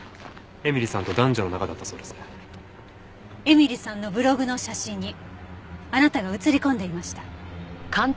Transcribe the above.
絵美里さんのブログの写真にあなたが映り込んでいました。